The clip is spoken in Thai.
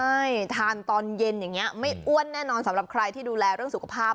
ใช่ทานตอนเย็นอย่างนี้ไม่อ้วนแน่นอนสำหรับใครที่ดูแลเรื่องสุขภาพ